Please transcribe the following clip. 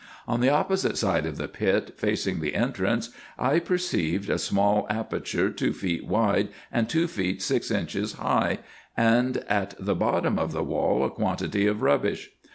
On the opposite side of the pit facing the entrance I perceived a small aperture two feet wide and two feet six inches high, and at the bottom of the wall a quantity of rubbish.